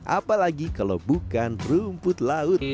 apalagi kalau bukan rumput laut